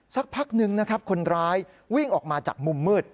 สักพักหนึ่งนะครับคนร้ายวิ่งออกมาจากมุมมืด